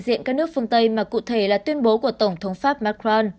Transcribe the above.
đại diện các nước phương tây mà cụ thể là tuyên bố của tổng thống pháp macron